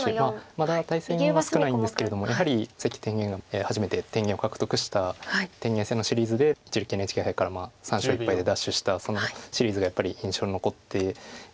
まだ対戦は少ないんですけれどもやはり関天元が初めて天元を獲得した天元戦のシリーズで一力ＮＨＫ杯から３勝１敗で奪取したそのシリーズがやっぱり印象に残っているので。